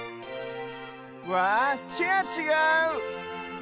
わあチェアちがう！